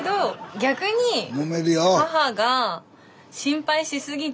逆に母が心配しすぎちゃって。